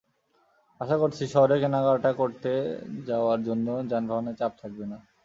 আশা করছি, শহরে কেনাকাটা করতে যাওয়ার জন্য যানবাহনের চাপ থাকবে না।